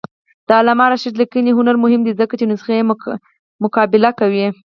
د علامه رشاد لیکنی هنر مهم دی ځکه چې نسخې مقابله کوي.